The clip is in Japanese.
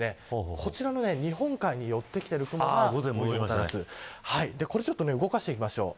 こちらの日本海に寄ってきている雲がこれちょっと動かしていきましょう。